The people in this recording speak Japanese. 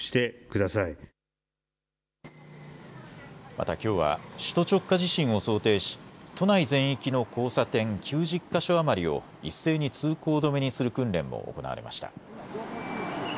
また、きょうは首都直下地震を想定し都内全域の交差点９０か所余りを一斉に通行止めにする訓練も行われました。